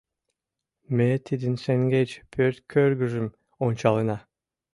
Ме тидын шеҥгеч пӧрткӧргыжым ончалына.